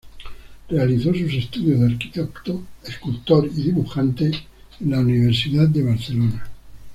Realizó sus estudios de arquitecto, escultor y dibujante en la Universidad de Barcelona.